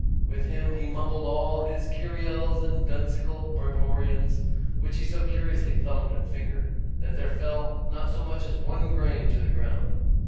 With him he mumbled all his kiriels and dunsical breborions, which he so curiously thumbed and fingered, that there fell not so much as one grain to the ground.